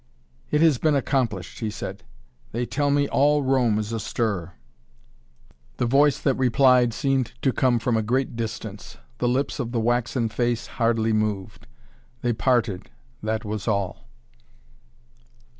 "It has been accomplished," he said. "They tell me all Rome is astir!" The voice that replied seemed to come from a great distance; the lips of the waxen face hardly moved. They parted, that was all.